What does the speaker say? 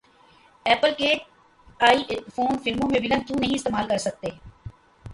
apple کے iPhone فلموں میں ولن کیوں نہیں استعمال کرسکتے